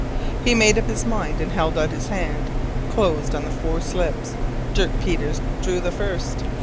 He made up his mind, and held out his hand, closed on the four slips. Dirk Peters drew the first.